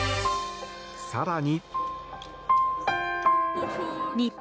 更に。